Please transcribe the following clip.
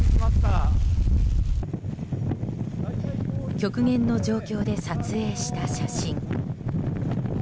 極限の状況で撮影した写真。